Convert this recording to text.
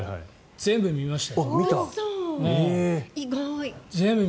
全部見ました。